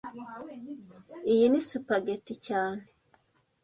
Iyi ni spaghetti cyane